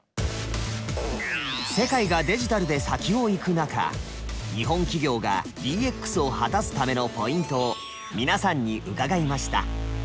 世界がデジタルで先を行く中日本企業がＤＸを果たすためのポイントを皆さんに伺いました。